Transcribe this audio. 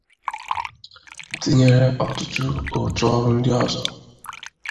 tinyere ọtụtụ òtù ọrụ ndị ọzọ.